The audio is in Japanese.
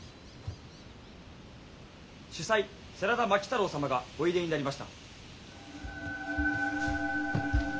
主宰世良田摩喜太郎様がおいでになりました。